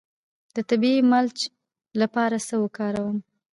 د طبیعي ملچ لپاره څه وکاروم؟